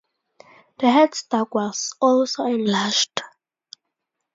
The headstock was also enlarged.